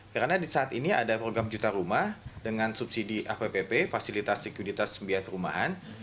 karena saat ini ada program juta rumah dengan subsidi app fasilitas sekuritas sembiaya perumahan